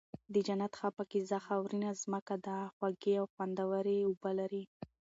د جنت ښه پاکيزه خاورينه زمکه ده، خوږې او خوندوَري اوبه لري